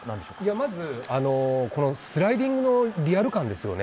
まずスライディングのリアル感ですよね。